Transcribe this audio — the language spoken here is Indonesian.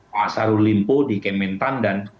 pak sarul limpo di kementan dan